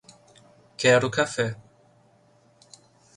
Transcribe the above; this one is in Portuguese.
Quero café